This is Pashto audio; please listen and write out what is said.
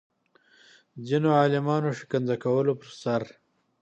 ځینو عالمانو شکنجه کولو پر سر